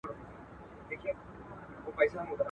لیکلې !.